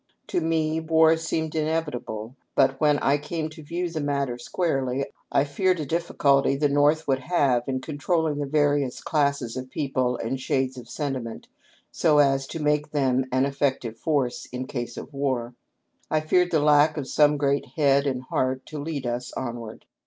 To me, war seemed inevitable, but when I came to view the matter squarely, I feared a difficulty the North would have in controlling the various classes of people and shades of senti ment, so as to make them an effective force in case of war : I feared the lack of some great head and heart to lead us on ward.